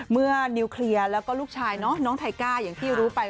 เมื่อนิ้วเคลียลและลูกชายน้องไท้ก้าอย่างที่รู้ไป